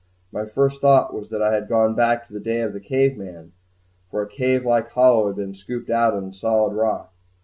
My first thought was that I had gone back to the day of the cave man, for a cave like hollow had been scooped out in the solid rock.